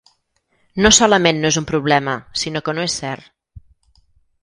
No solament no és un problema, sinó que no és cert.